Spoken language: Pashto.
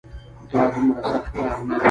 دا دومره سخت کار نه دی